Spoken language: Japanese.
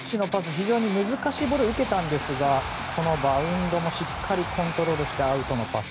非常に難しいボールを受けたんですが、バウンドもしっかりコントロールしてアウトのパス。